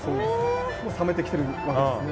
もう冷めてきてるわけですね。